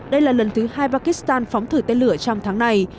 đây là lần thứ hai pakistan phóng thử tên lửa trong tháng này